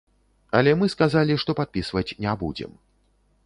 Але мы сказалі, што падпісваць не будзем.